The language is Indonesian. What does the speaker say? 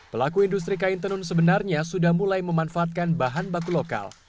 pelaku industri kain tenun sebenarnya sudah mulai memanfaatkan bahan baku lokal